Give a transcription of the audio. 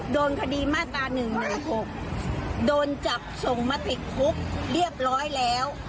โดนคดีมาตรา๑๑๖โดนจับส่งมาติดคุกเรียบร้อยแล้ว